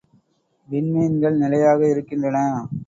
விண் மீன்கள் நிலையாக இருக்கின்றன.